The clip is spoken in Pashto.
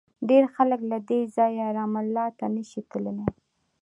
ډېر خلک له دې ځایه رام الله ته نه شي تللی.